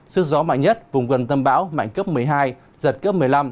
sức gió mạnh nhất vùng gần tâm bão mạnh cấp một mươi hai giật cấp một mươi năm